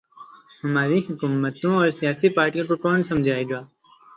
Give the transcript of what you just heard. ہماری حکومتوں اور سیاسی پارٹیوں کو کون سمجھائے گا۔